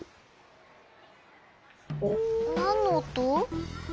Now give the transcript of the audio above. なんのおと？